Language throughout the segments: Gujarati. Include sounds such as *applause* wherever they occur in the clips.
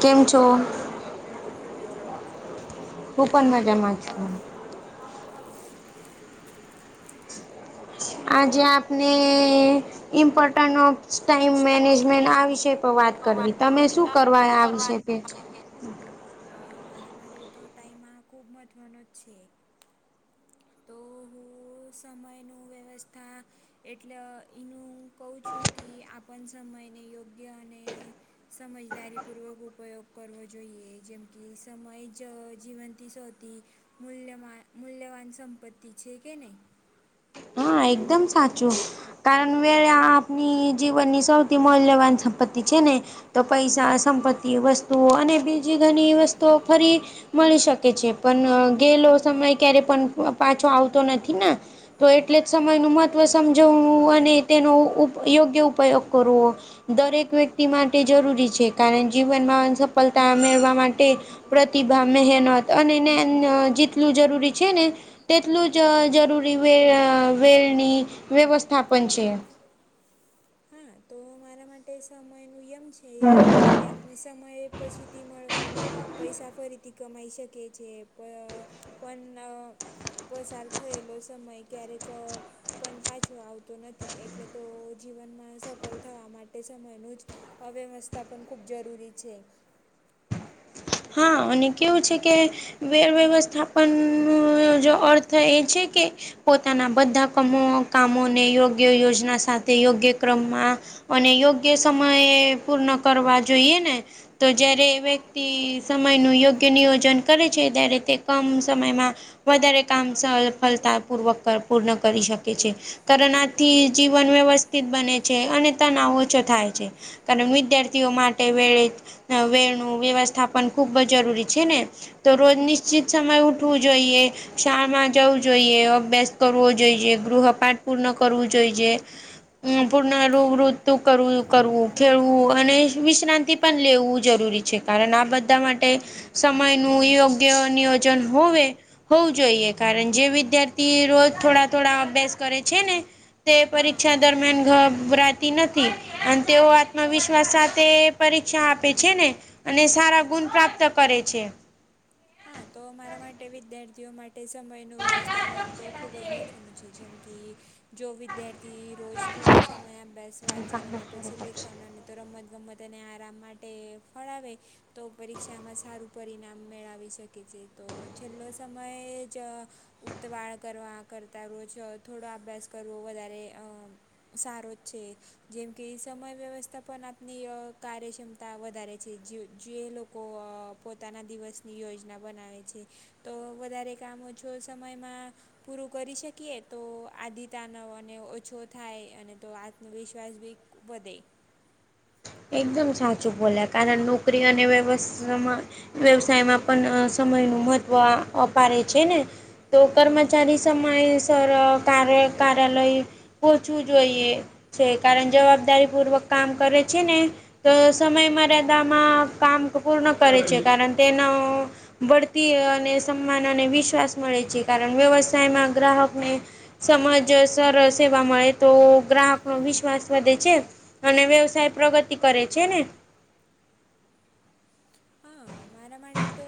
કેમ છો? હા હું મજામાં છું તમે કેમ છો હું પણ મજામાં છું આજે આપને ઇમ્પોર્ટન્ટ ઓફ ટાઈમ મેનેજમેન્ટ આ વિષય વાત કરવી તમે શું કરવા આવિ સકે અ મારા માટે તો ટાઈમ આ ખુબ મહત્વનો જ છે. તો હું સમયનું વ્યવસ્થા એટલે એનું કહું છું કે આપણ સમયને યોગ્ય અને સમજદારીપૂર્વક ઉપયોગ કરવો જોઈએ જેમ કે સમય જ જીવંતી સૌથી મૂલ્યમા મૂલ્યવાન સંપત્તિ છે, કે નહી હા એકદમ સાચું કારણ *unintelligible* આપની જીવનની સૌથી મૂલ્યવાન સંપત્તિ છે, ને તો પૈસા, સંપત્તિ, વસ્તુઓ અને બીજી ઘણી વસ્તુઓ ફરી મળી શકે છે, પણ ગેલો સમય ક્યારે પણ પાછો આવતો નથી ને તો એટલે જ સમયનું મહત્ત્વ સમજવું અને તેનો ઉ યોગ્ય ઉપયોગ કરવો દરેક વ્યક્તિ માટે જરૂરી છે, કારણ જીવનમાં સફલતા મેળવા માટે પ્રતિભા, મહેનત અને *unintelligible* જેટલું જરૂરી છે, ને તેટલું જ જરૂરી વે અ વેળની વ્યવસ્થા પણ છે. હા તો મારા માટે સમયનું યમ છે. કે આપને સમય પછીથી મળવા નહીં પણ પૈસા ફરીથી કમાઈ શકીએ છે, પ પણ પસાર થયેલો સમય ક્યારેક પન પાછો આવતો નથી એટલે તો જીવનમાં સફલ થવા મા ટે સમયનું જ અવ્યવસ્થા પણ ખૂબ જરૂરી છે. હા અને કેવું છે, કે વેળ વ્યવસ્થાપનનો જ અર્થ એ છે, કે પોતાના બધા કામો કામોને યોગ્ય યોજના સાથે યોગ્ય ક્રમમાં અને યોગ્ય સમયે પૂર્ણ કરવા જોઈએ ને તો જયારે વ્યક્તિ સમયનું યોગ્ય નિયોજન કરે છે, ત્યારે તે કમ સમયમાં વધારે કામ સફળતા પૂર્વક પૂર્ણ કરી શકે છે. તરુણાથી જીવન વ્યવસ્થિત બને છે અને તણાવ ઓછો થાય છે. કારણ વિદ્યાર્થીઓ માટે વેળે વેળનું વ્યવસ્થાપન ખૂબ જરૂરી છે ને. તો રોજ નિશ્ચિત સમય ઉઠવું જોઈએ શાળામાં જવું જોઈએ અભ્યાસ કરવો જોઈએ ગૃહ પાઠ પૂર્ણ કરવું જોઈએ. પૂર્ણ રોગવઋતુ કરવું કરવું ખેડવું અને વિશ્રાંતિ પણ લેવું જરૂરી છે કારણ આ બધ બધા માટે સમય નું યોગ્ય નિયોજન હોવે હોવું જોઈએ કારણ જે વિદ્યાર્થી રોજ થોડા થોડા અભ્યાસ કરે છે ને તે હા પરીક્ષા દરમિયાન ઘબરાતી નથી. અને તેઓ આત્મવિશ્વાસ સાથે પરીક્ષા આપે છે ને અને સારા ગુણ પ્રાપ્ત કરે છે. હા તો મારા માટે વિદ્યાર્થીઓ માટે તે સમયનું વ્યવસ્થાપન તો ખૂબ જ મહત્ત્વનું છે જેમ કે જો વિદ્યાર્થી રોજ થોડા સમય અભ્યાસ વાંચ્યાન અને પછી લેખન તો રમત ગમત અને આરામ માટે ફળાવે તો પરીક્ષામાં સારું પરિણામ મેળાવી શકે છે તો છેલ્લો સમયે જ ઉતવાળ કરવા કરતા રોજ થોડો અભ્યાસ કરવો વધારે અ સારો જ છે જેમ કે સમય વ્યવસ્થા પણ આપની કાર્યક્ષમ તા વધારે છે જે લોકો પોતાના દિવસની યોજ ના બનાવે છે તો વધારે કામો છ સમયમાં પૂરું કરી શકીએ તો આદીતાનો અને ઓછો થાય અને તો આત્મવિશ્વાસ બી વધે એકદમ સાચું બોલે કારણ નોકરી અને વ્યવસ્થામાં વ્યવસાયમાં પણ સમય નુ મહત્વ અપાડે છે ને તો કર્મચારી સમય સર કાર્ય કાર્યાલય ઓછવું જોઈએ છે કારણ જવાબદારી પૂર્વક કામ કરે છે ને તો સમય મર્યાદામાં કામ પૂર્ણ કરે છે કારણ તેનો બળતી અને સન્માન અને વિશ્વાસ મળે છે કારણ વ્યવસાયમાં ગ્રાહકને સમજ સર સેવા મળે તો ગ્રાહક નો વિશ્વાસ વધે છે અને વ્યવસાય પ્રગતિ કરે છે ને હા મારા માટે તો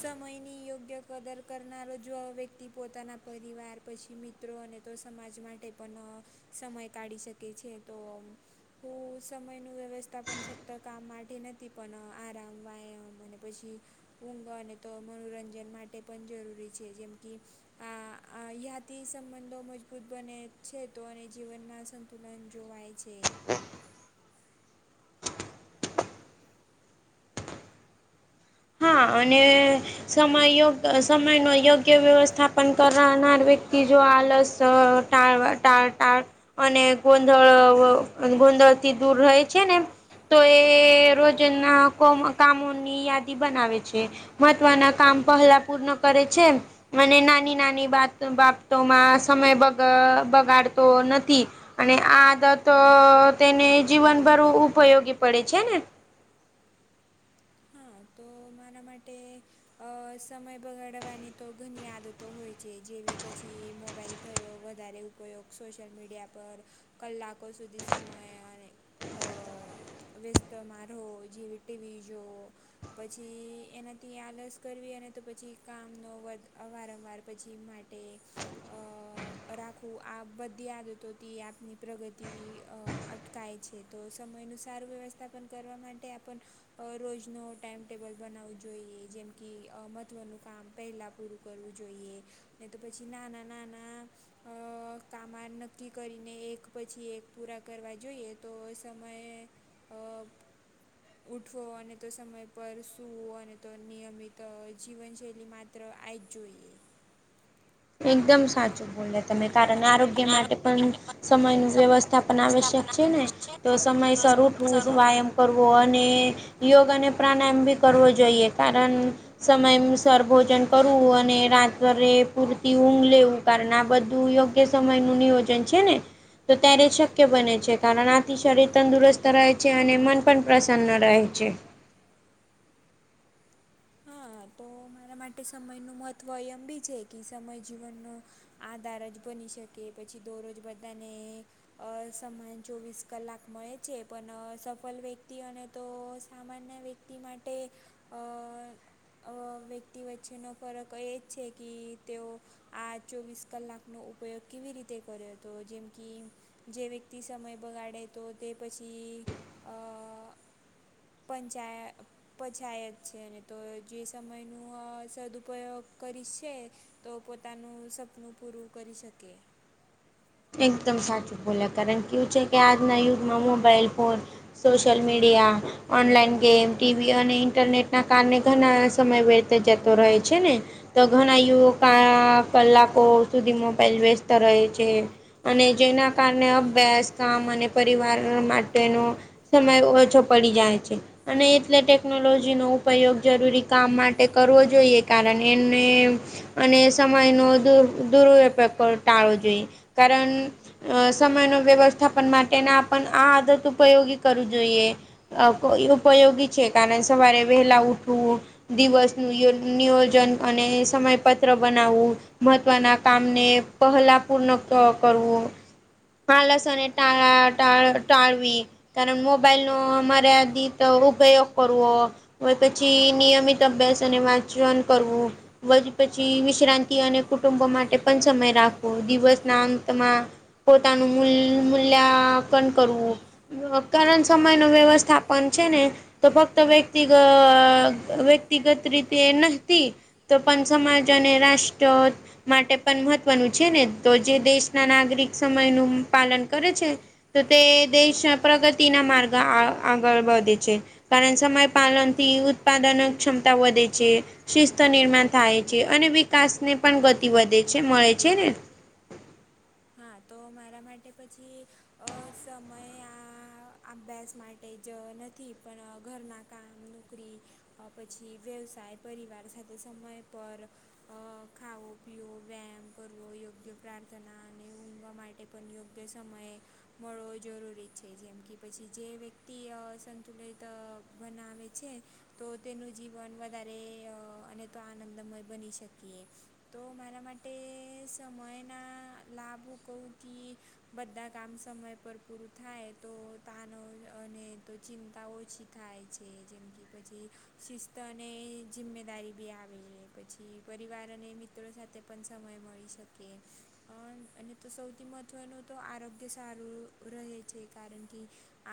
સમયની યોગ્ય કદર કરનારો જ વ્યક્તિ પોતાના પરિવાર પછી મિ મિત્રો અને તો સમાજ માટે પણ સમય કાઢી શકે છે તો હ સમયનું વ્યવસ્થાપન ફક્ત કામ માટે નથી પણ આરામ વાય અને પછી ઊંગ અને તો મનોરંજન માટે પણ જરૂરી છે જેમ કે *inaudible* આ યાથી સંબંધો મજબૂત બને છે તો અને જીવનમાં સંતુલન જોવાય છે હા અને સમયયોગ સમય નો યોગ્ય વ્યવસ્થાપન કરનાર વ્યક્તિ જો આલસ ટાળવા ટા ટાળ અને ગોંધળ ગોંધળથી દૂર રહે છે ને તો એ રોજ ના કોમ કામોની યાદી બનાવે છે મહત્વના કામ પહેલા પૂર્ણ કરે છે. અને નાની નાની બાબતોમાં સમય બગાડતો નથી અને આ આદત તેને જીવનભર ઉપયોગી પડે છે ને હા તો મારા માટે અ સમય બગાડવાની તો ઘણી આદતો હોય છે જેવી પછી મોબાઈલ થયો વધારે ઉપયોગ સોશિયલ મીડિયા પર કલાકો સુધી સમય અને અ વ્યસ્ત મારો હો જેવી ટીવી જો પછી એનાથી આલસ કરવી અને તો પછી કામ નો વધ અ વારંવાર પછી માટે અ રાખું આ બધી આદતોથી આપની પ્રગતિ અ અટ કાય છે, તો સમયનું સારું વ્યવસ્થાપન કરવા માટે આપણ અ રોજનો ટાઈમટેબલ બનાવવું જોઈએ જેમ કે અ મહત્ત્વનું કામ પહેલાં પૂરું કરવું જોઈએ ને તો પછી નાના નાના અ કામા નક્કી કરીને એક પછી એક પૂરા કરવા જોઈએ તો સમયે અ ઉઠવો અને તો સમય પર શું અને તો નિયમિત જીવનશૈલી માત્ર આ જ જોઈએ એકદમ સાચું બોલે તમે કારણ આરોગ્ય માટે પણ સમયનું વ્યવસ્થા પણ આવશ્યક છે, ને તો સમય સર ઉઠવું વાયમ કરવો અને યોગ અને પ્રાણાયામ બી કરવો જોઈએ કારણ સમય અનુસાર ભોજન કરવું અને રાત્રરે પૂર તી ઊંઘ લેવું કારણ આ બધું યોગ્ય સમયનું નિયોજન છે, ને તો ત્યારે શક્ય બને છે, કારણ આથી શરીર તંદુરસ્ત રહે છે, અને મન પણ પ્રસન્ન રહે છે. હા તો મારા માટે સમયનું મહત્ત્વ એમ બી છે, કે સમય જીવનનો આધાર જ બની શકે પછી દોરોજ બધાને અ સમાન ચોવીસ કલાક મળે છે, પન સફળ વ્યક્તિ અને તો સામાન્ય વ્ય તિ માટે અ અ વ્યક્તિ વચ્ચેનો ફરક એ જ છે, કે તેઓ આ ચોવીસ કલાકનો ઉપયોગ કેવી રીતે કર્યો તો જેમ કે જે વ્યક્તિ સમય બગાડે તો તે પછી અ પંચાય પંચાયત છે, અને તો જે સમયનું સદુપયોગ કરીશ છે, તો પોતાનું સપનું પૂરું કરી શકીએ. એકદમ સાચું બોલ્યા, કારણ કેવું છેકે આજના યુગમાં mobile phone social media, online game, TV અને ઇન્ટરનેટના કારણે ઘણા સમય વે તે જતો રહે છે ને. તો ઘણા યુવકા કલાકો સુધી મોબાઈલ વ્યસ્ત રહે છે. અને જેના કારણે અભ્યાસ કામ અને પરિવાર માટેનો સમય ઓછો પડી જાય છે. અને એટલે ટેકનોલોજીનો ઉપયોગ જરૂરી કામ માટે કરવો જોઈએ, કારણ એને અને સમયનોર દૂર દુરઅપયોગ કાળતા આવડવો જોઈએ, કારણ અ સમય નો વ્યવસ્થાપન માટેના પણ આ આદત ઉપયોગી કરવું જોઈએ. અ કો ઈ ઉપયોગી છે, કારણ સવારે વહેલા ઉઠવું. દિવસ નુયો નિયોજન અને સમયપત્ર બનાવવું. મહત્વના કામને પહેલા પૂર્ણ ક કરવું. પાલસને ટા ટા ટાળવી. કારણ મોબાઈલનો મર્યાદિત ઉપયોગ કરવો. હોય પછી નિયમિત અભ્યાસ અને વાંચવાનુ કરવું. વધ પછી વિશ્રાંતિ અને કુટુંબો માટે પણ સમય રાખવો, દિવસ ના અંતમાં, પોતાનું મૂલ મૂલ્યાંકન કરવું. અકારણ સમયનો વ્યવસ્થાપન છે ને તો ફક્ત વ્યક્તિગત વ્યક્તિગત રીતે નહતી. તો પણ સમાજ અને રાષ્ટ્ર, માટે પણ મહત્ત્વનું છે ને. તો જે દેશના નાગરિક સમય નું પાલન કરે છે. તો તે દેશન પ્રગતિના મારગા આ આગળ વધે છે. કારણ સમય પાલનથી ઉત્પાદન ક્ષમતા વધે છે. શિસ્ત નિર્માણ થાય છે, અને વિકાસ ને પણ ગતિ વધે છે, મળે છે ને. હા, તો મારા માટે પછી સમય આ અભ્યાસ માટે ટે જ નથી, પણ ઘરના કામ, નોકરી અ પછી વ્યવસાય, પરિવાર સાથે સમય પર. અ ખાઓ, પિઓ, વ્યેમ કરવો, યોગ્ય પ્રાર્થના. ને ઊંઘવા માટે પણ યોગ્ય સમયે. મળવો જરૂરી છે, જેમ કે પછી જે વ્યક્તિ અ સંતુલિત અ બનાવે છે. તો તેનું જીવન વધારે અ અને તો આનંદમય બની શકીએ. તો મારા માટે, સમયના લાભ હુ કવું કી. બધા કામ સમય પર પૂરું થાય, તો તનોવ અને તો ચિંતા ઓછી. થાય છે, જેમ કે પછી શિસ્ત અને જિમ્મેદારી બી આવે. પછી પરિવાર અને મિત્રો સાથે પણ સમય મળી શકે. અન અને તો સૌથી મહત્ત્વનુંતો આરોગ્ય સારું રહે છે, કારણ કે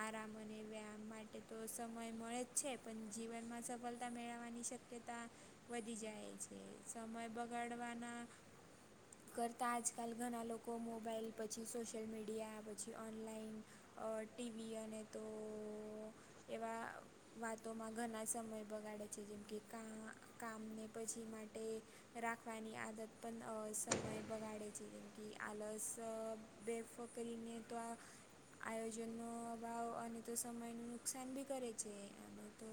આરામ અને વ્યાયામ માટે તો સમય મળે જ છે, પણ જીવનમાં સફળતા મેળવવાની શક ક્યતા વધી જાય છે, સમય બગાડવાના કરતા આજ કાલ ઘણા લોકો મોબાઈલ, પછી સોશિયલ મીડિયા, પછી ઓનલાઈન. અ ટીવી અને તો એવા વાતોમાં ઘણા સમય બગાડે છે, જેમ કે કા કામને પછી માટે રાખવાની આદત પણ અ સમય બગાડે. છે, જેમ કે આલસ, અ બેફકરીને તો આ આયોજનનો અભાવ અને તો સમયનું નુકસાન બી કરે છે, અને તો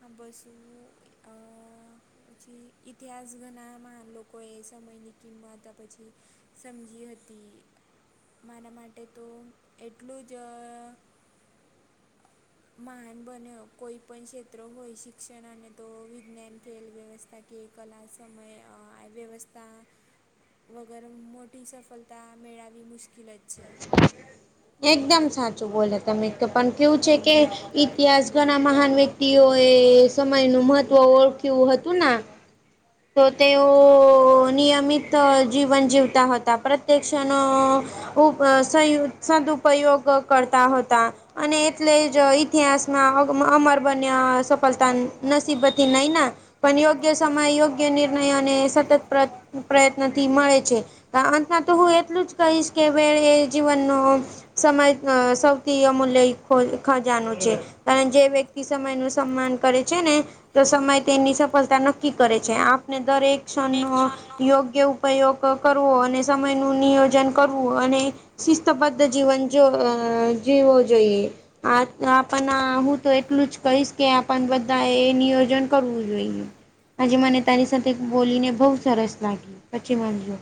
હ બસું અ પછી ઇતિહાસ ગણામાં લોકોએ સમયની કિંમત પછી, સમજી હતી. માના માટે તો, એટલું જ હ. મહાન બન્યો કોઈ પણ ક્ષેત્ર હોય શિક્ષણ અને તો વિજ્ઞાન ખેલ વ્યવસ્થા. કે કલા સમય વ્યવસ્થા. વગર મોટી સફળતા મેળવી મુશ્કેલ જ છે. એકદમ સાચું બોલે તમે પણ કેવું છે કે. ઇતિહાસ ઘણા મહાન વ્યક્તિઓ એ સમય નું મહત્વ ઓળખ્યું હતું. તો તેઓ નિયમિત જીવન જીવતા હતા પ્રત્યક્ષણ. ય સદઉપયોગ કરતા હોતા. અને એટલે જ ઇતિહાસમાં અમર બન્ય સફળતા નસીબથી નહી ના. પણ યોગ્ય સમય યોગ્ય નિર્ણય અને સતત પ્ર પ્રયત્નથી મળે છે. અ તો હું એટલું જ કહીશ કે ભ એ જીવનનો. સમય સૌથી અમૂલ્ય ખજાનું છે. અને જે વ્યક્તિ સમય ન સન્માન કરે છે ને તો સમય તેની સફળતા નક્કી કરે છે. આપને દરે ક્ષણ શિક્ષણનું યોગ્ય. ઉપયોગ કરવો અને સમયનું નિયોજન કરવું અને. શિસ્તબદ્ધ જીવન જો જીવો જોઈએ. આ આપણ આ હું તો એટલું જ કહીશ કે આપ બધા એ નિયોજન કરવું જોઈએ. હજે મને તારી સાથે બોલીને બહુ સરસ લાગી પછી માઓ.